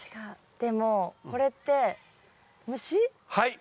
でもこれってはい。